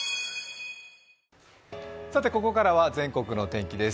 ここからは全国の天気です。